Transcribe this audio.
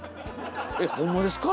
えっホンマですか？